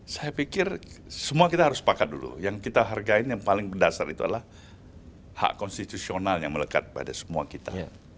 saya pikir semua kita harus sepakat dulu yang kita hargai yang paling mendasar itu adalah hak konstitusional yang melekat pada semua kita